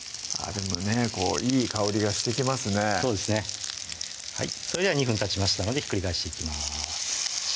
でもねいい香りがしてきますねそうですねそれでは２分たちましたのでひっくり返していきます